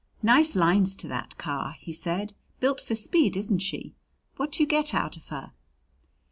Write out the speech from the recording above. "Nice lines to that car," he said. "Built for speed, isn't she? What do you get out of her?"